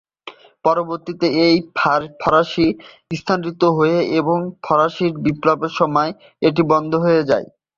পরবর্তীতে এটি প্যারিসে স্থানান্তরিত হয় এবং ফরাসি বিপ্লবের সময় এটি বন্ধ হয়ে যায়।